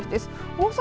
大阪